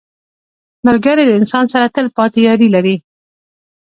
ملګری له انسان سره تل پاتې یاري لري